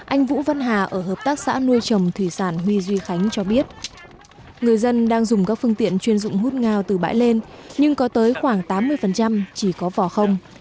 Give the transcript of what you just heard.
anh vũ văn hà ở hợp tác xã nuôi trồng thủy sản huy duy khánh cho biết người dân đang dùng các phương tiện chuyên dụng hút ngao từ bãi lên nhưng có tới khoảng tám mươi chỉ có vỏ không